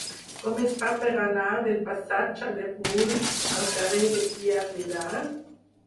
Com es fa per anar del passatge del Brull al carrer de Pierre Vilar?